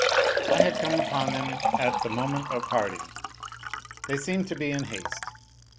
I had come upon them at the moment of parting. They seemed to be in haste.